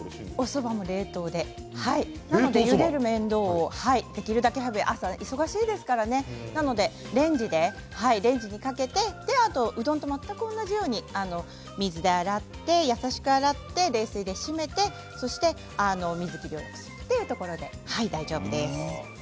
そばも冷凍でゆでる麺をできるだけ朝、忙しいですからねですからレンジでレンジにかけてうどんと全く同じように水で洗って優しく洗って冷水で締めて、そして水切りをするということで大丈夫です。